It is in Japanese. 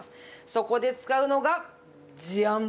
そこで使うのがジャン！